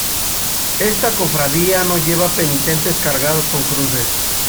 Esta cofradía no lleva penitentes cargados con cruces.